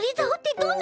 どんな？